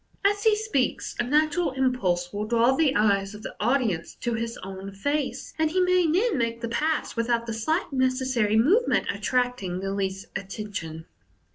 As he speaks, a natural impulse will draw the eyes of the audience to his own face, and he may then make the pass without the slight neces sary movement attracting the least attention.